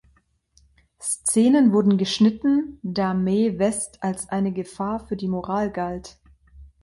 Szenen wurden geschnitten, da Mae West als eine Gefahr für die Moral galt.